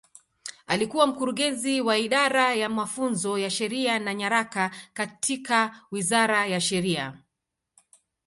Alikuwa Mkurugenzi wa Idara ya Mafunzo ya Sheria na Nyaraka katika Wizara ya Sheria.